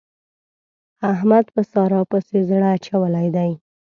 احمد په سارا پسې زړه اچولی دی.